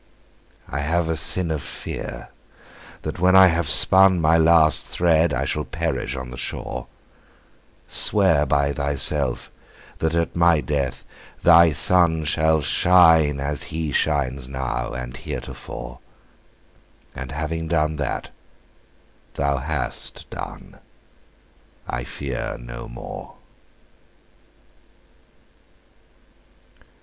III. I have a sin of fear, that when I have spun My last thread, I shall perish on the shore ; But swear by Thyself, that at my death Thy Son Shall shine as he shines now, and heretofore ; And having done that, Thou hast done ; I fear no more.